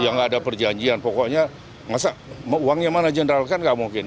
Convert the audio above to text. ya nggak ada perjanjian pokoknya masa uangnya mana general kan nggak mungkin